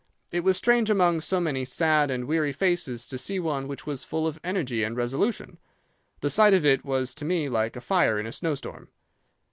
It was strange among so many sad and weary faces to see one which was full of energy and resolution. The sight of it was to me like a fire in a snowstorm.